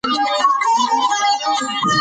ټولنیزې رسنۍ دا چټکوي.